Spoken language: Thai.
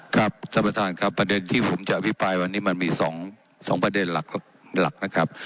ครับท่านประธานครับประเด็นที่ผมจะอภิปรายวันนี้มันมี๒ประเด็นหลักนะครับ